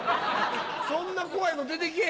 そんな怖いの出てけぇ